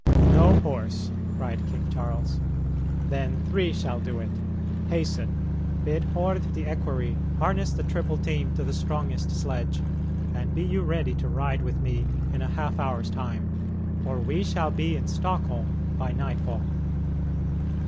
"No horse!" cried King Charles; "then three shall do it. Hasten; bid Hord the equerry harness the triple team to the strongest sledge, and be you ready to ride with me in a half hour's time. For we shall be in Stockholm by nightfall."